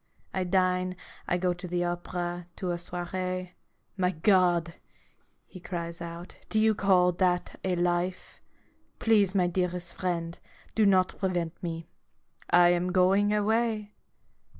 I dine, I go to the opera, to a soiree. My God!' he cries out, "do you call that a life? Please, my dearest friend, do not prevent me. I am going away."